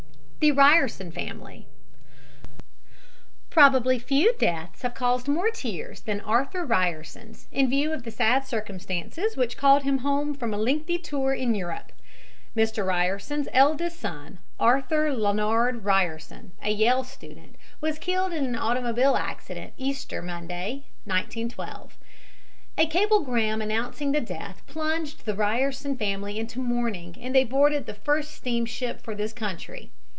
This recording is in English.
THE RYERSON FAMILY Probably few deaths have caused more tears than Arthur Ryerson's, in view of the sad circumstances which called him home from a lengthy tour in Europe. Mr. Ryerson's eldest son, Arthur Larned Ryerson, a Yale student, was killed in an automobile accident Easter Monday, 1912. A cablegram announcing the death plunged the Ryerson family into mourning and they boarded the first steamship for this country.